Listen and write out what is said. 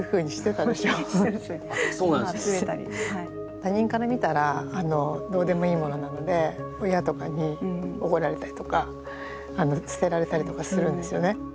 他人から見たらどうでもいいものなので親とかに怒られたりとか捨てられたりとかするんですよね。